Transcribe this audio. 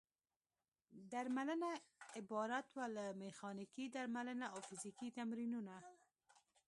درملنه عبارت وه له: میخانیکي درملنه او فزیکي تمرینونه.